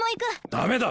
ダメだ！